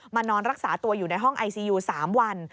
นอนรักษาตัวอยู่ในห้องไอซียู๓วัน